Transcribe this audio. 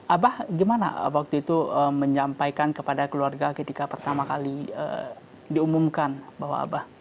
abah gimana waktu itu menyampaikan kepada keluarga ketika pertama kali diumumkan bahwa abah